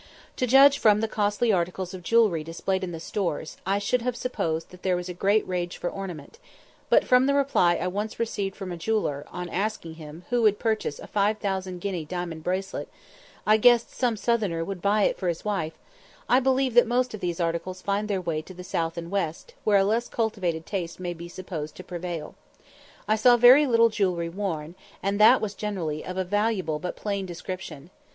To judge from the costly articles of jewellery displayed in the stores, I should have supposed that there was a great rage for ornament; but from the reply I once received from a jeweller, on asking him who would purchase a five thousand guinea diamond bracelet, "I guess some Southerner will buy it for his wife," I believe that most of these articles find their way to the South and West, where a less cultivated taste may be supposed to prevail. I saw very little jewellery worn, and that was generally of a valuable but plain description.